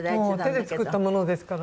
手で作ったものですから。